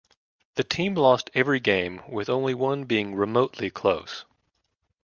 The team lost every game with only one being remotely close.